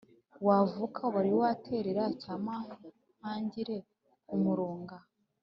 Wavuka wari waterera cya mahangire ?-Umurunga.